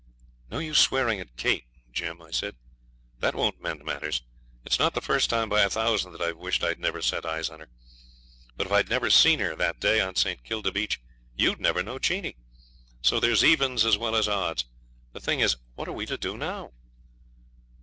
'No use swearing at Kate, Jim,' I said; 'that won't mend matters. It's not the first time by a thousand that I've wished I'd never set eyes on her; but if I'd never seen her that day on St. Kilda beach you'd never known Jeanie. So there's evens as well as odds. The thing is, what are we to do now?'